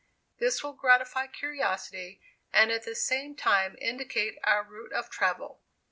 This will gratify curiosity, and at the same time indicate our route of travel.